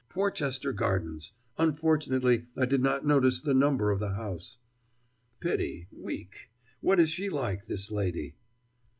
"Porchester Gardens unfortunately I did not notice the number of the house." "Pity: weak. What is she like, this lady?"